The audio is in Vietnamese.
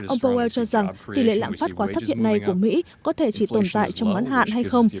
ông powell cho rằng tỷ lệ lạm phát quá thấp hiện nay của mỹ có thể chỉ tồn tại trong ngắn hạn hay không